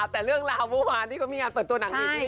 แต่เรื่องราวเมื่อวานที่เขามีงานเปิดตัวหนังดีพี่